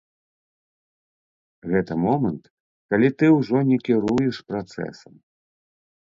Гэта момант, калі ты ўжо не кіруеш працэсам.